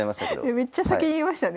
めっちゃ先に言いましたね。